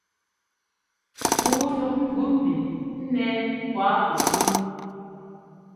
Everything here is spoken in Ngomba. Pǔu ndúk gʉ mbi nɛ́ kuákukú.